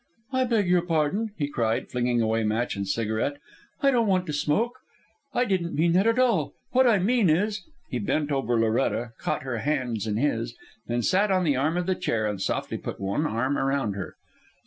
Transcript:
"I beg your pardon," he cried, flinging away match and cigarette. "I don't want to smoke. I didn't mean that at all. What I mean is " He bent over Loretta, caught her hands in his, then sat on the arm of the chair and softly put one arm around her.